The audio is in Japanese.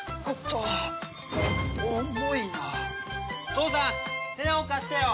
父さん手を貸してよ！